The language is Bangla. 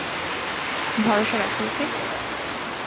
ভরসা রাখো, ওকে?